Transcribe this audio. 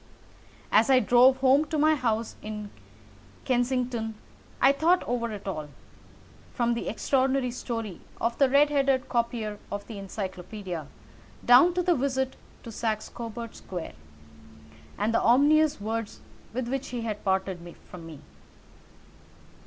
As I drove home to my house in Kensington I thought over it all, from the extraordinary story of the red headed copier of the Encyclopædia down to the visit to Saxe Coburg Square, and the ominous words with which he had parted from me.